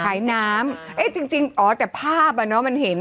ขายน้ำเอ๊ะจริงจริงอ๋อแต่ภาพอ่ะเนอะมันเห็น